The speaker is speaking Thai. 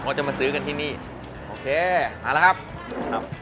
พวกเราจะมาซื้อกันที่นี่โอเคมาแล้วครับครับ